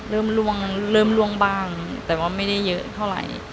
เริ่มล่วงเริ่มล่วงบ้างแต่ว่าไม่ได้เยอะเท่าไหร่